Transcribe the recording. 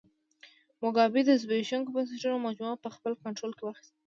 موګابي د زبېښونکو بنسټونو مجموعه په خپل کنټرول کې واخیسته.